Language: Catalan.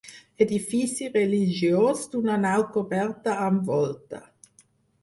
Edifici religiós d'una nau coberta amb volta.